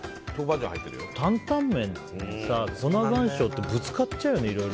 担々麺にさ、粉山椒ってぶつかっちゃうよね。